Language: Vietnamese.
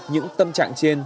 những tâm trạng trên